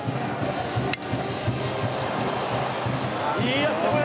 「いやすごい！